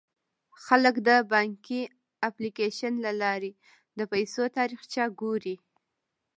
خلک د بانکي اپلیکیشن له لارې د پيسو تاریخچه ګوري.